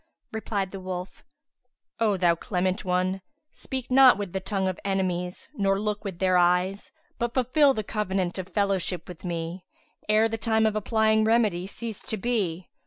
Replied the wolf, "O thou clement one, speak not with the tongue of enemies nor look with their eyes; but fulfil the covenant of fellowship with me, ere the time of applying remedy cease to be.